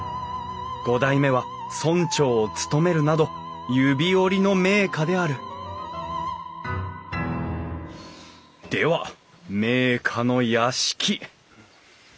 五代目は村長を務めるなど指折りの名家であるでは名家の屋敷。